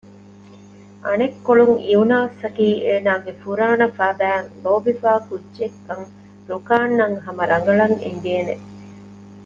އަނެއްކޮޅުން އިއުނާސްއަކީ އޭނާގެ ފުރާނަފަދައިން ލޯބިވާ ކުއްޖެއްކަން ރުކާންއަށް ހަމަ ރަނގަޅަށް އެނގޭނެ